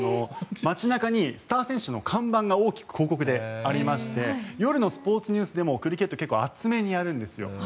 街中にスター選手の看板が大きく広告でありまして夜のスポーツニュースでもクリケット結構厚めにやるんです。